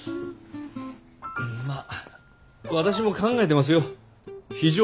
まあ私も考えてますよ。